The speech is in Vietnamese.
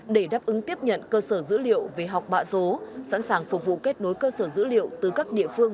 để đáp ứng tiếp nhận cơ sở dữ liệu về học bạ số sẵn sàng phục vụ kết nối cơ sở dữ liệu từ các địa phương